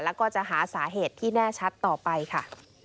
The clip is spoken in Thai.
แล้วก็จะหาสาเหตุที่แน่ชัดต่อไปค่ะ